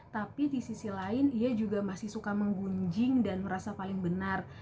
tapi di sisi lain ia juga masih suka menggunjing dan merasa paling benar